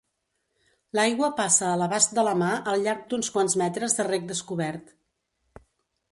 L'aigua passa a l'abast de la mà al llarg d'uns quants metres de rec descobert.